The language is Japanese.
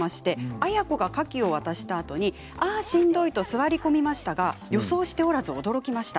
亜哉子が、カキを渡したあとに「ああ、しんどい」と座り込みましたが予想しておらず驚きました。